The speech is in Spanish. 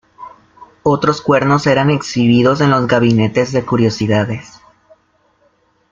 Otros cuernos eran exhibidos en los gabinetes de curiosidades.